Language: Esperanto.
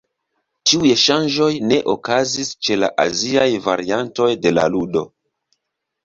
Tiuj ŝanĝoj ne okazis ĉe la aziaj variantoj de la ludo.